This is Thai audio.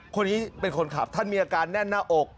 คนนี้เป็นคนขับท่านมีอาการแน่นหน้าอก